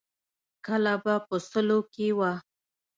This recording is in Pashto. کله به په سلو کې وه.